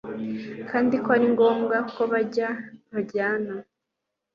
kandi ko ari ngobwa ko bajyanayo